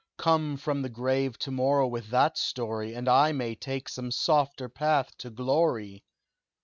Come from the grave to morrow with that story, And I may take some softer path to glory.